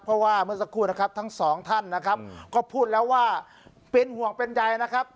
เพราะว่าเมื่อสักครู่นะครับทั้งสองท่านนะครับก็พูดแล้วว่าเป็นห่วงเป็นใยนะครับ